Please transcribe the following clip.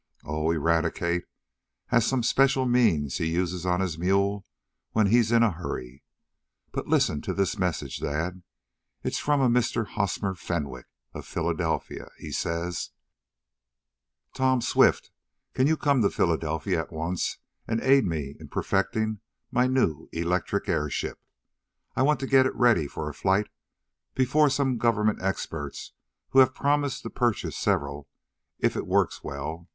"Oh, Eradicate has some special means he uses on his mule when he's in a hurry. But listen to this message, dad. It's from a Mr. Hosmer Fenwick, of Philadelphia. He says:" "'Tom Swift Can you come on to Philadelphia at once and aid me in perfecting my new electric airship? I want to get it ready for a flight before some government experts who have promised to purchase several if it works well.